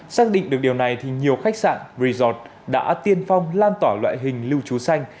xác định được điều này thì nhiều khách sạn resort đã tiên phong lan tỏa loại hình lưu trú xanh